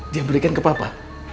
dia berikan ke papa